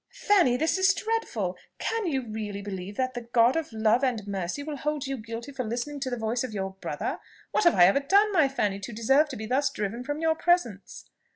"Fanny, this is dreadful! Can you really believe that the God of love and mercy will hold you guilty for listening to the voice of your brother? What have I ever done, my Fanny, to deserve to be thus driven from your presence?"